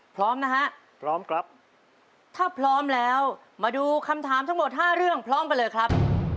พร้อมนะฮะพร้อมครับถ้าพร้อมแล้วมาดูคำถามทั้งหมดห้าเรื่องพร้อมกันเลยครับ